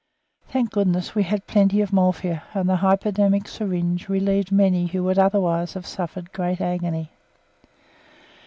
Thank goodness, we had plenty of morphia, and the hypodermic syringe relieved many who would otherwise have suffered great agony.